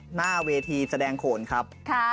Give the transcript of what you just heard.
หน้าเวทีแสดงโขนครับ